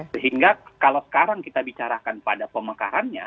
sehingga kalau sekarang kita bicarakan pada pemekarannya